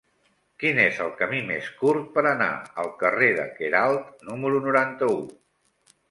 Quin és el camí més curt per anar al carrer de Queralt número noranta-u?